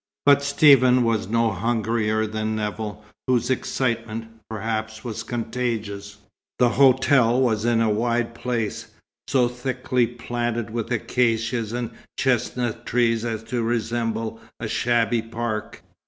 But Stephen was no hungrier than Nevill, whose excitement, perhaps, was contagious. The hotel was in a wide place, so thickly planted with acacias and chestnut trees as to resemble a shabby park.